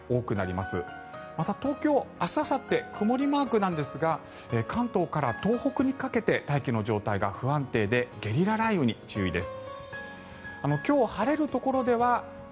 また、東京は明日あさって曇りマークなんですが関東から東北にかけて大気の状態が不安定でゲリラ雷雨に注意です。